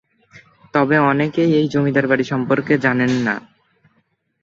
তবে অনেকেই এই জমিদার বাড়ি সম্পর্কে জানেন না।